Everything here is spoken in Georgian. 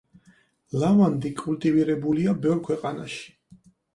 ლავანდი კულტივირებულია ბევრ ქვეყანაში.